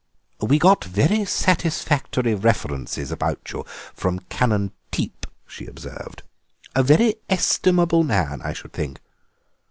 "We got very satisfactory references about you from Canon Teep," she observed; "a very estimable man, I should think."